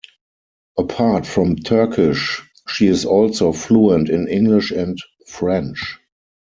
Apart from Turkish, she is also fluent in English and French.